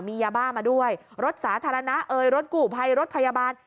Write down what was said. มียาบ้ามาด้วยรถสาธารณะเอ่ยรถกู้ภัยรถพยาบาล